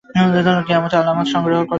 কেয়ামতের আলামত সংগ্রহ।